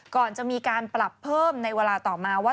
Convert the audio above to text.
ก่อนจะมีการปรับเพิ่มในเวลาต่อมาว่า